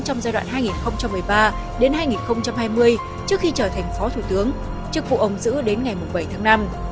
trong giai đoạn hai nghìn một mươi ba hai nghìn hai mươi trước khi trở thành phó thủ tướng chức vụ ông giữ đến ngày bảy tháng năm